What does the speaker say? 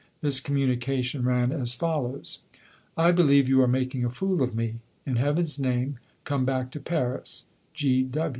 This communication ran as follows: "I believe you are making a fool of me. In Heaven's name, come back to Paris!